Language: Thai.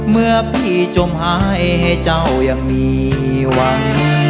เมื่อพี่จมหายเจ้ายังมีหวัง